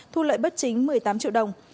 thu lợi bất chính một mươi tám triệu đồng